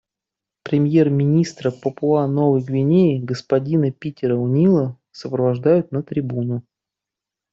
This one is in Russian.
Премьер-министра Папуа-Новой Гвинеи господина Питера О'Нила сопровождают на трибуну.